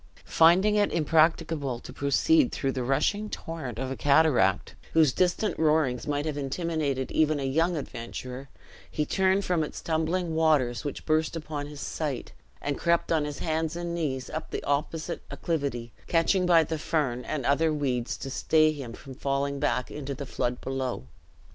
Finding it impracticable to proceed through the rushing torrent of a cataract, whose distant roarings might have intimidated even a younger adventurer, he turned from its tumbling waters which burst upon his sight, and crept on his hands and knees up the opposite acclivity, catching by the fern and other weeds to stay him from falling back into the flood below.